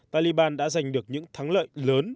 taliban đã giành được những thắng lợi lớn